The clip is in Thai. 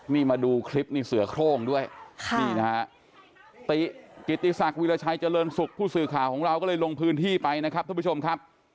นี่มาดูคลิปนี่เสือโครงด้วยนี่นะฮะติกิติศักดิราชัยเจริญสุขผู้สื่อข่าวของเราก็เลยลงพื้นที่ไปนะครับทุกผู้ชมครับ